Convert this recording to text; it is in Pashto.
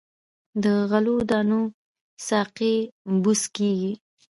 د غلو دانو ساقې بوس کیږي.